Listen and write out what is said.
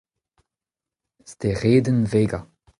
Steredenn Vega.